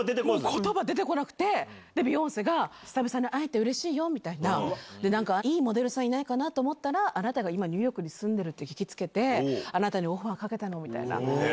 ことば出てこなくて、ビヨンセが久々に会えてうれしいよって言って、なんかいいモデルさんいないかなと思ったら、あなたが今、ニューヨークに住んでるって聞きつけて、あなたにオファーかけたの。